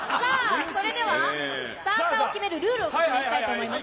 それでは、スターターを決めるルールを確認したいと思います。